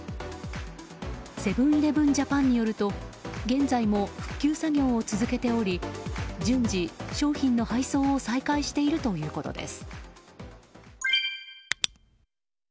セブン‐イレブン・ジャパンによると現在も復旧作業を続けており順次、商品の配送を再開しているということです。